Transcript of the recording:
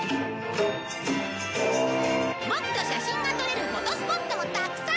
ボクと写真が撮れるフォトスポットもたくさん！